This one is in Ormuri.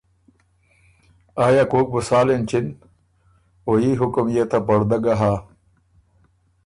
آیا کوک بُو سال اېنچِن؟ او يي حکم يې ته پړدۀ ګۀ هۀ